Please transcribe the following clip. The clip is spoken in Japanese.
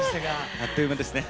あっという間ですね。